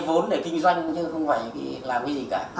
của bọn anh là vay vốn để kinh doanh chứ không phải làm cái gì cả